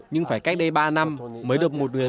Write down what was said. nhưng phải cách đây ba năm mới được một người bạn của tôi